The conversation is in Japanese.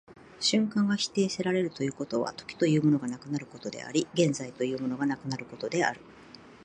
瞬間が否定せられるということは、時というものがなくなることであり、現在というものがなくなることである。